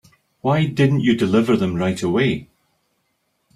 Why didn't you deliver them right away?